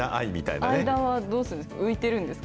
間はどうするんですか？